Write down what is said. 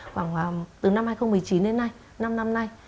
khoảng từ năm hai nghìn một mươi chín đến năm nay